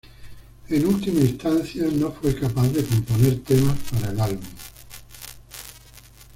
En última instancia, no fue capaz de componer temas para el álbum.